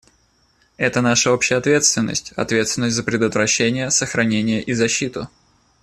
Это наша общая ответственность, — ответственность за предотвращение, сохранение и защиту.